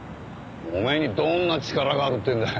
お前にどんな力があるっていうんだよ。